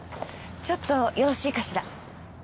ちょっとよろしいかしら？